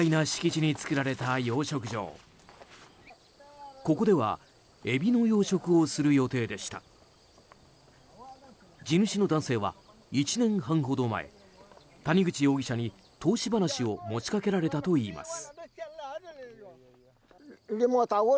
地主の男性は１年半ほど前谷口容疑者に投資話を持ち掛けられたといいます。